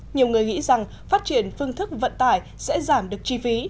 nhiều người nghĩ rằng phát triển phương thức vận tải sẽ giảm được chi phí